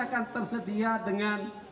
akan tersedia dengan